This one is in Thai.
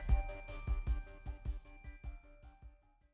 โปรดติดตามตอนต่อไป